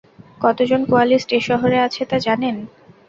কতজন কোয়ালিস্ট এ শহরে আছে তা জানেন?